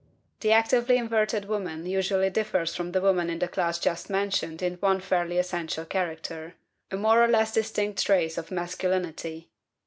The actively inverted woman usually differs from the woman of the class just mentioned in one fairly essential character: a more or less distinct trace of masculinity.